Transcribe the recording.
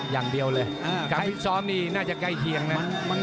การฟิกซ้อมนี่น่าจะใกล้เคียงนะ